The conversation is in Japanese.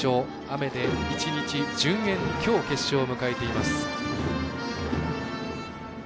雨で１日順延きょう決勝を迎えています。